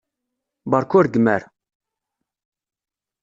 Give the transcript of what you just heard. Beṛka ur reggem ara!